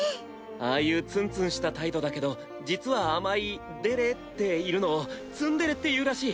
ああいうツンツンした態度だけど実は甘いデレているのをツンデレっていうらしい。